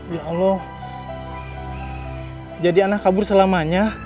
ya allah jadi anak kabur selamanya